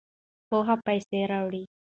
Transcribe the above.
پوهه پیسې راوړي.